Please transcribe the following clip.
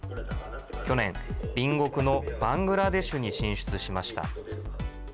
去年、隣国のバングラデシュに進出しました。